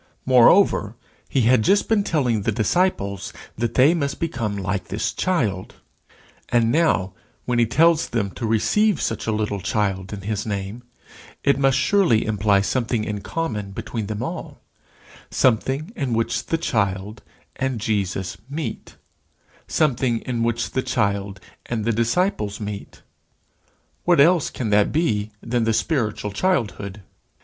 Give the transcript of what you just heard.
Moreover, he had just been telling the disciples that they must become like this child; and now, when he tells them to receive such a little child in his name, it must surely imply something in common between them all something in which the child and Jesus meet something in which the child and the disciples meet. What else can that be than the spiritual childhood?